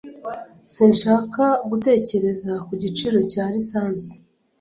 Sinshaka gutekereza ku giciro cya lisansi.